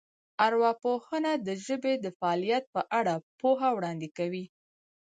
ارواپوهنه د ژبې د فعالیت په اړه پوهه وړاندې کوي